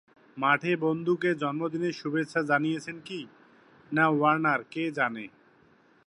মাঠে বন্ধুকে জন্মদিনের শুভেচ্ছা জানিয়েছেন কি না ওয়ার্নার, কে জানে?